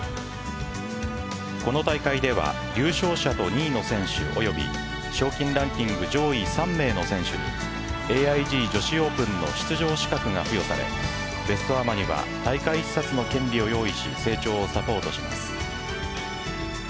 この大会では優勝者と２位の選手及び賞金ランキング上位３名の選手にＡＩＧ女子オープンの出場資格が付与されベストアマには大会視察の権利を用意し成長をサポートします。